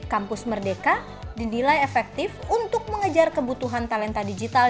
kampus merdeka dinilai efektif untuk mengejar kebutuhan talenta digital